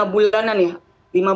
lima bulanan ya